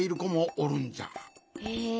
へえ。